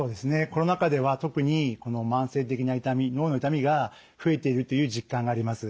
コロナ禍では特に慢性的な痛み脳の痛みが増えているという実感があります。